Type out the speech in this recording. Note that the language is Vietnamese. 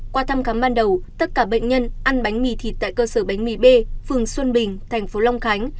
qua thăm khám ban đầu tất cả bệnh nhân ăn bánh mì thịt tại cơ sở bánh mì b phường xuân bình thành phố long khánh